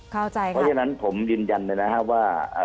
เพราะฉะนั้นผมยืนยันเลยนะครับว่า